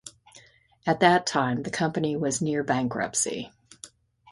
At that time the company was near bankruptcy.